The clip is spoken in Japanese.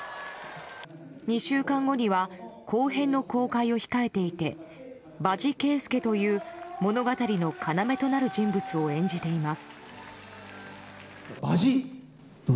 ２週間後には後編の公開を控えていて場地圭介という物語の要となる人物を演じています。